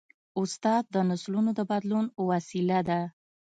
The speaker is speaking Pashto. استاد د نسلونو د بدلون وسیله ده.